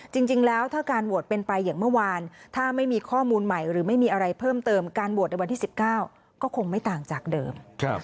จริงแล้วถ้าการโหวตเป็นไปอย่างเมื่อวานถ้าไม่มีข้อมูลใหม่หรือไม่มีอะไรเพิ่มเติมการโหวตในวันที่๑๙ก็คงไม่ต่างจากเดิม